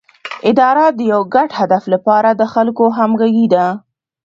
اداره د یو ګډ هدف لپاره د خلکو همغږي ده